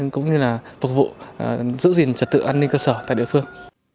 cũng như là phục vụ giữ gìn trật tự an ninh cơ sở tại địa phương